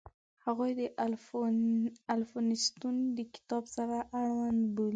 هغوی د الفونستون د کتاب سره اړوند بولي.